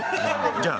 じゃあ。